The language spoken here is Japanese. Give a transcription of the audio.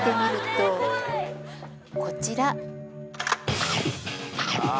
こちら